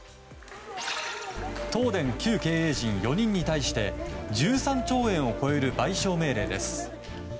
東電旧経営陣４人に対して１３兆円を超える賠償命令です。